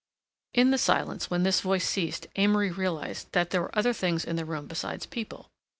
In the silence when this voice ceased Amory realized that there were other things in the room besides people...